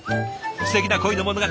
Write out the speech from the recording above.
すてきな恋の物語